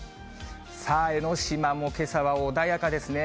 さあ、江の島もけさは穏やかですね。